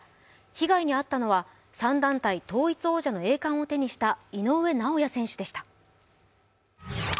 被害に遭ったのは３団体王座の栄冠を手にした井上尚弥選手でした。